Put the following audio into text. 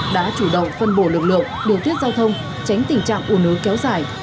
đã chủ động phân bổ lực lượng điều tiết giao thông tránh tình trạng ủ nứ kéo dài